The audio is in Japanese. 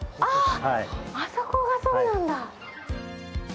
あそこがそうなんだ。